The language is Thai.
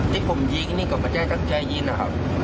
ที่ผมยิงนี่ก็มาแจ้งตั้งใจยิงนะครับ